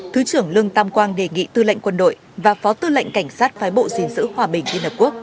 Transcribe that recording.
thứ trưởng lương tam quang đề nghị tư lệnh quân đội và phó tư lệnh cảnh sát phái bộ dình giữ hòa bình liên hợp quốc